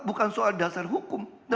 bukan soal dasar hukumnya